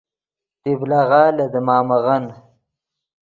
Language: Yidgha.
طبلغہ لے دیمامغن